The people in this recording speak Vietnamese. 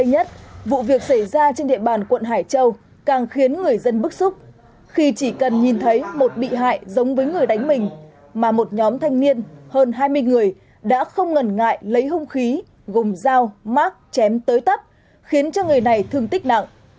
hơn hai mươi người đã không ngần ngại lấy hông khí gồm dao mát chém tới tắp khiến cho người này thương tích nặng